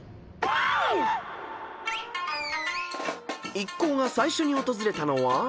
［一行が最初に訪れたのは］